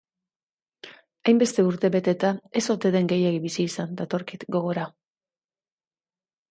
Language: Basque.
Hainbeste urte beteta, ez ote den gehiegi bizi izan datorkit gogora.